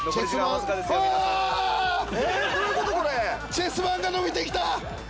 チェス盤が伸びてきた！